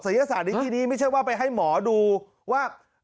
ศาสตร์ในที่นี้ไม่ใช่ว่าไปให้หมอดูว่า